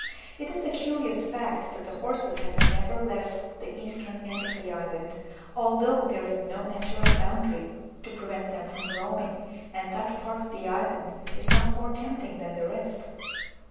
It is a curious fact, that the horses have never left the eastern end of the island, although there is no natural boundary to prevent them from roaming, and that part of the island is not more tempting than the rest.